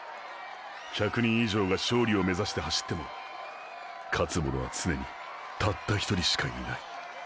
１００人以上が勝利を目指して走っても勝つ者は常にたった１人しかいない！！